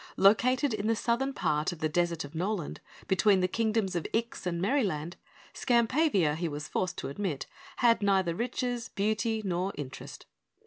Located in the southern part of the desert of Noland, between the Kingdoms of Ix and Merryland, Skampavia, he was forced to admit, had neither riches, beauty, nor interest.